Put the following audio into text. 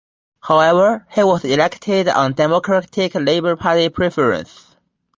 However, he was elected on Democratic Labor Party preferences.